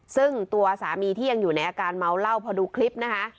ซึ่งตัวสามีที่ยังอยู่ในอาการเมาเหล้าพอดูคลิปนะคะ